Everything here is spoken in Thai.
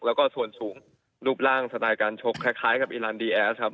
แล้วก็ส่วนสูงรูปร่างสไตล์การชกคล้ายกับอีรานดีแอสครับ